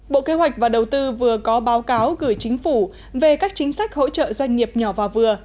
bộ kế hoạch và đầu tư vừa có báo cáo gửi chính phủ về các chính sách hỗ trợ doanh nghiệp nhỏ và vừa